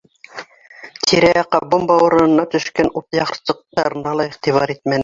Тирә-яҡҡа бомба урынына төшкән ут ярсыҡтарына ла иғтибар итмәне.